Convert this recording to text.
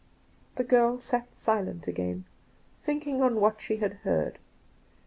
The girl sat silent again, thinking on what she* had heard.